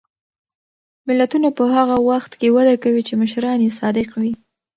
ملتونه په هغه وخت کې وده کوي چې مشران یې صادق وي.